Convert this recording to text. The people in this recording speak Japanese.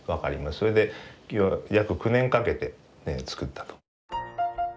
それで約９年かけて作ったと。